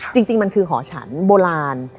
จริงมันคือหอฉันโบราณ